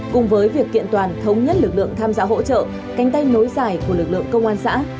cùng với việc kiện toàn thống nhất lực lượng tham gia hỗ trợ cánh tay nối dài của lực lượng công an xã